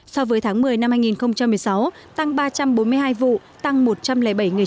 so với tháng một mươi năm hai nghìn một mươi sáu tăng ba trăm bốn mươi hai vụ tăng một trăm linh bảy người chết tăng hai trăm linh người